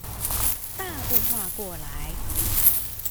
大步跨過來